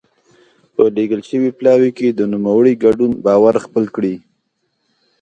په لېږل شوي پلاوي کې د نوموړي ګډون باور خپل کړي.